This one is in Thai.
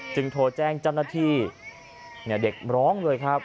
จึงโทรแจ้งจำหน้าที่เด็กร้องเลยครับ